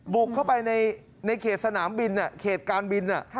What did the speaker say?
บุกเข้าไปในเขตสนามบินเขตการบิน